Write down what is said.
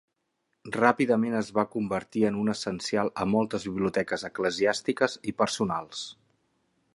Ràpidament es va convertir en un essencial a moltes biblioteques eclesiàstiques i personals.